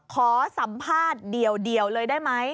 ขอสัมภาษณ์เดียวเลยได้ไหม